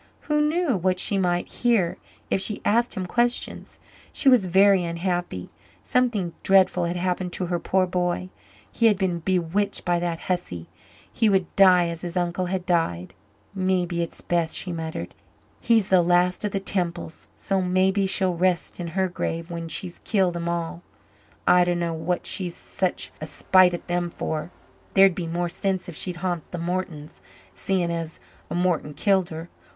Who knew what she might hear if she asked him questions? She was very unhappy. Something dreadful had happened to her poor boy he had been bewitched by that hussy he would die as his uncle had died. "Mebbe it's best," she muttered. "He's the last of the Temples, so mebbe she'll rest in her grave when she's killed 'em all. I dunno what she's sich a spite at them for there'd be more sense if she'd haunt the Mortons, seein' as a Morton killed her.